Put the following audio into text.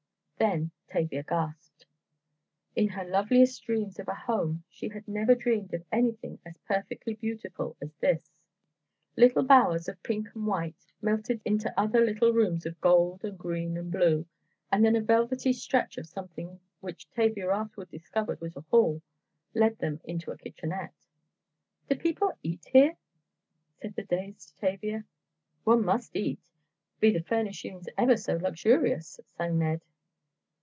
Then Tavia gasped. In her loveliest dreams of a home, she had never dreamed of anything as perfectly beautiful as this. Little bowers of pink and white, melted into other little rooms of gold and green and blue, and then a velvety stretch of something, which Tavia afterward discovered was a hall, led them into a kitchenette. "Do people eat here?" said the dazed Tavia. "One must eat, be the furnishings ever so luxurious," sang Ned.